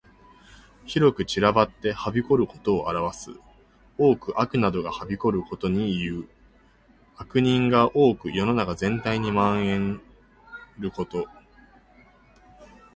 広く散らばってはびこることを表す。多く悪などがはびこることにいう。悪人が多く世の中全体に蔓延ること。